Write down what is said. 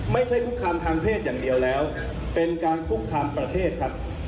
คุกคามทางเพศอย่างเดียวแล้วเป็นการคุกคามประเทศครับ